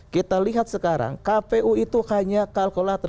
kita lihat sekarang kpu itu hanya kalkulator